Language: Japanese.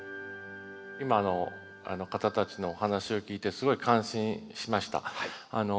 今の方たちのお話を聞いてすごい感心しました。